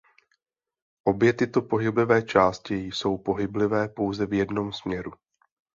Obě tyto pohyblivé části jsou pohyblivé pouze v jednom směru.